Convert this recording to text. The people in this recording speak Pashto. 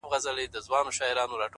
سیاه پوسي ده! برباد دی!